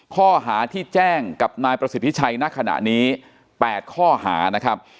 ข้อหาที่แจ้งกับนายประสิทธิชัยณขณะนี้๘ข้อหานะครับ